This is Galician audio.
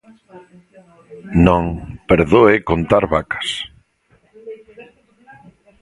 Non, perdoe contar vacas.